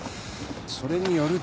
それによると。